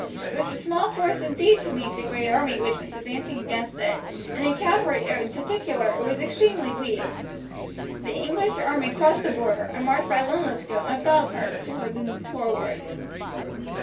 It was a small force indeed to meet the great army which was advancing against it, and in cavalry in particular it was extremely weak. The English army crossed the Border, and marched by Linlithgow and Falkirk toward the Torwood.